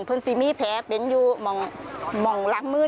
เพื่อนสีมีแผลเป็นอยู่มองหลังมือ